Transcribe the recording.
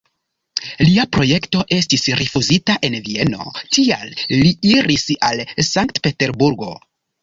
Lia projekto estis rifuzita en Vieno, tial li iris al Sankt-Peterburgo.